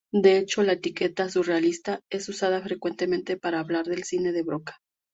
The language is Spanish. De hecho, la etiqueta "surrealista" es usada frecuentemente para hablar del cine de Broca.